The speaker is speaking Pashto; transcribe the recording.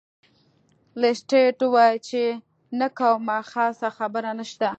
لیسټرډ وویل چې نه کومه خاصه خبره نشته.